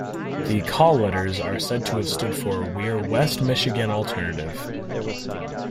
The call letters are said to have stood for "We're West Michigan Alternative".